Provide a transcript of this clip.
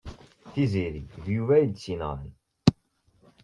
Tiziri d Yuba ay tt-yenɣan.